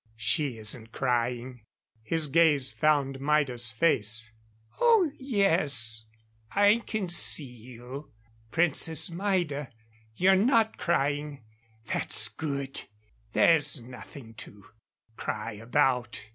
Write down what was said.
She isn't crying." His gaze found Maida's face. "Oh, yes I can see you Princess Maida. You're not crying that's good. There's nothing to cry about."